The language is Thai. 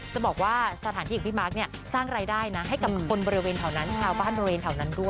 จะบอกว่าสถานที่ของพี่มาร์คเนี่ยสร้างรายได้นะให้กับคนบริเวณแถวนั้นชาวบ้านบริเวณแถวนั้นด้วย